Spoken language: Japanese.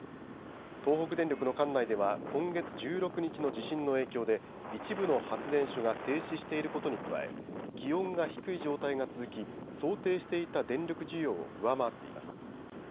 東北電力の管内では今月１６日の地震の影響で一部の発電所が停止していることに加え気温が低い状態が続き想定していた電力需要を上回っています。